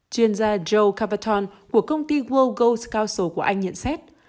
chuyên gia joe cavatone của công ty world gold scouts của anh nhận xét